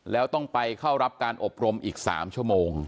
แล้วต้องไปเข้ารับการอบรมอีก๓ชั่วโมง